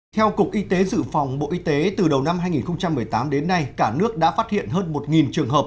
theo cục y tế dự phòng bộ y tế từ đầu năm hai nghìn một mươi tám đến nay cả nước đã phát hiện hơn một trường hợp